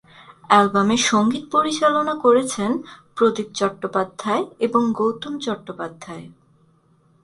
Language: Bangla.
অ্যালবামের সঙ্গীত পরিচালনা করেছেন প্রদীপ চট্টোপাধ্যায় এবং গৌতম চট্টোপাধ্যায়।